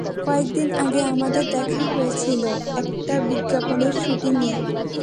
কয়েকদিন আগে আমাদের দেখা হয়েছিল একটা বিজ্ঞাপনের শুটিংয়ে।